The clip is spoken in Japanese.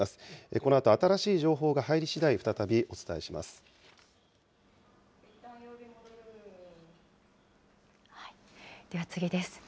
このあと、新しい情報が入りしだでは、次です。